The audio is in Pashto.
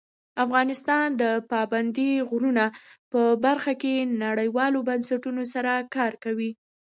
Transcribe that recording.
افغانستان د پابندی غرونه په برخه کې نړیوالو بنسټونو سره کار کوي.